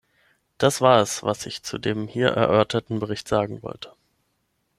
Das war es, was ich zu dem hier erörterten Bericht sagen wollte.